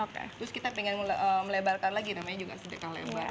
terus kita pengen melebarkan lagi namanya juga sedekah lebar